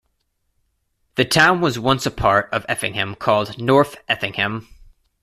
The town was once a part of Effingham called "North Effingham".